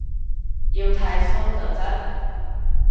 要剃鬚就真